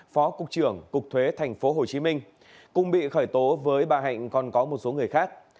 phó cục trưởng cục thuế tp hcm cùng bị khởi tố với bà hạnh còn có một số người khác